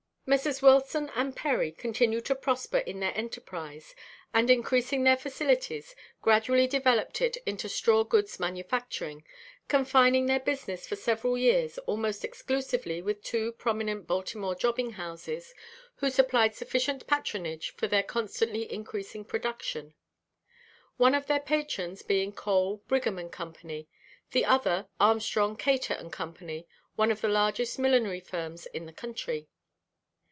Messrs. Wilson & Perry continued to prosper in their enterprise, and, increasing their facilities, gradually developed it into straw goods manufacturing, confining their business for several years almost exclusively with two prominent Baltimore jobbing houses, who supplied sufficient patronage for their constantly increasing production; one of their patrons being Cole, Brigham & Co., the other Armstrong, Cator & Co., one of the largest millinery firms in the country.